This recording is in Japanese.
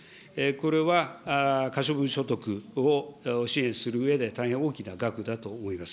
これは可処分所得を支援するうえで、大変大きな額だと思います。